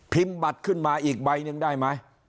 บัตรขึ้นมาอีกใบหนึ่งได้ไหม